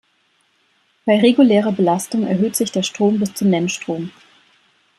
Bei regulärer Belastung erhöht sich der Strom bis zum Nennstrom.